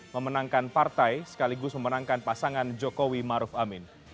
memenangkan partai sekaligus memenangkan pasangan jokowi maruf amin